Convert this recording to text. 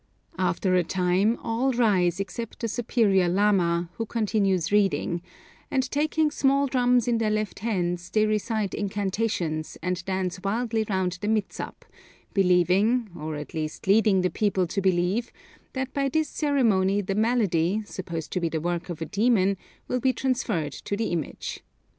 After a time, all rise except the superior lama, who continues reading, and taking small drums in their left hands, they recite incantations, and dance wildly round the mitsap, believing, or at least leading the people to believe, that by this ceremony the malady, supposed to be the work of a demon, will be transferred to the image.